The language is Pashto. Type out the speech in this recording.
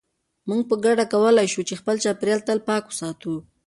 موږ په ګډه کولای شو چې خپل چاپیریال تل پاک وساتو.